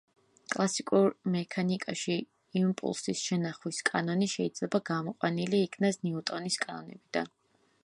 კლასიკურ მექანიკაში იმპულსის შენახვის კანონი შეიძლება გამოყვანილი იქნას ნიუტონის კანონებიდან.